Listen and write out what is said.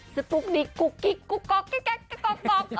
สปุ๊บนิคกุ๊กยิ๊กกูก็กแก๊กแก๊กแก๊กจะกองก๊อบ